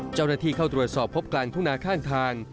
เจ้าหน้าที่เข้าตรวจสอบพบกลางทุ่งนาข้างทาง